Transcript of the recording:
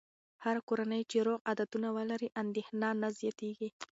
هره کورنۍ چې روغ عادتونه ولري، اندېښنه نه زیاتېږي.